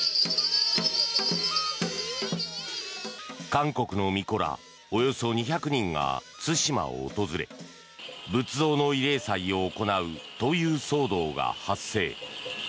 韓国のみこらおよそ２００人が対馬を訪れ仏像の慰霊祭を行うという騒動が発生。